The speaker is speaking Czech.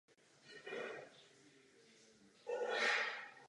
Květy produkují nektar i velké množství pylu a jsou opylovány včelami a dalším hmyzem.